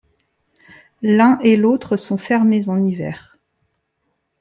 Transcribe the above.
L'un et l'autre sont fermés en hiver.